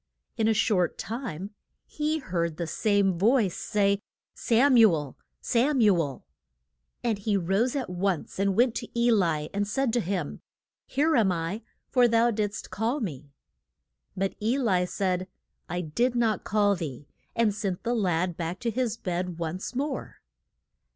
In a short time he heard the same voice say, Sam u el Sam u el. And he rose at once and went to E li, and said to him, Here am I, for thou did'st call me. But E li said, I did not call thee, and sent the lad back to his bed once more.